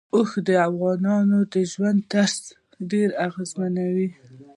اوښ د افغانانو د ژوند طرز ډېر اغېزمنوي.